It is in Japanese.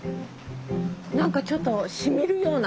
なんかちょっとしみるような。